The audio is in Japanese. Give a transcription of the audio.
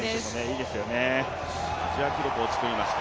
アジア記録を作りました。